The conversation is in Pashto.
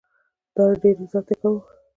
ډېر عزت کاوه.